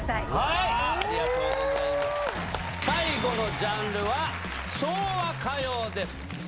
最後のジャンルは昭和歌謡です。